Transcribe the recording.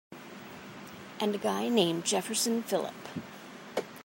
And a guy named Jefferson Phillip.